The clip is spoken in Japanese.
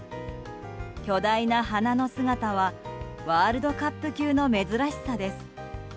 巨大な花の姿はワールドカップ級の珍しさです。